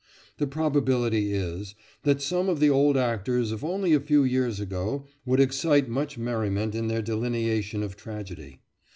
The probability is that some of the old actors of only a few years ago would excite much merriment in their delineation of tragedy.